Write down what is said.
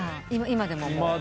今でも？